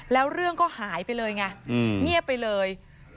แล้วเรื่องก็หายไปเลยไงเงียบไปเลย